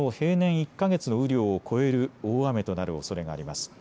１か月の雨量を超える大雨となるおそれがあります。